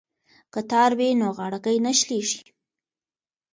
که تار وي نو غاړکۍ نه شلیږي.